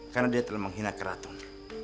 karena dia telah menghina keraton